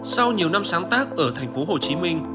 sau nhiều năm sáng tác ở thành phố hồ chí minh